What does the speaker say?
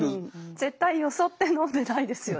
絶対よそって飲んでないですよね。